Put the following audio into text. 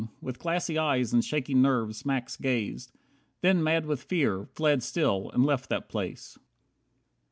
With glassy eyes and shaking nerves Max gazed. Then mad with fear, fled still, and left that place.